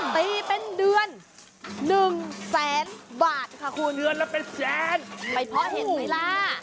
ตีเป็นเดือนหนึ่งแสนบาทค่ะคุณเดือนละเป็นแสนไปเพราะเห็นไหมล่ะ